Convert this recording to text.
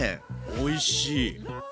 おいしい。